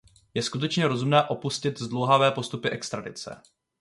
Je skutečně rozumné opustit zdlouhavé postupy extradice.